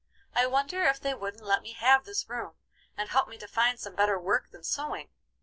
I wonder if they wouldn't let me have this room, and help me to find some better work than sewing?